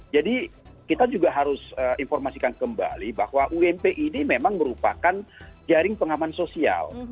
jadi kita juga harus informasikan kembali bahwa ump ini memang merupakan jaring pengaman sosial